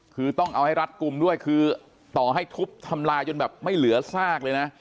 คือต้องเอาให้รัฐกลุ่มด้วยคือต่อให้ทุบทำลายจนแบบไม่เหลือซากเลยนะ